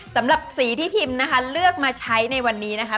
สำหรับสีที่พิมนะคะเลือกมาใช้ในวันนี้นะคะ